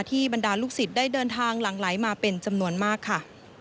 บรรดาลูกศิษย์ได้เดินทางหลั่งไหลมาเป็นจำนวนมากค่ะ